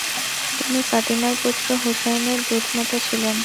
তিনি ফাতিমার পুত্র হুসাইনের দুধমাতা ছিলেন।